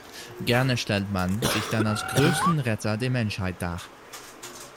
Gerne stellt man sich dann als größten Retter der Menschheit dar.